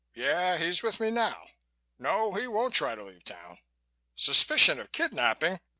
Yeah, he's with me now.... No, he won't try to leave town. Suspicion of kidnapping?...